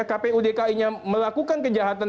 kpudki nya melakukan kejahatan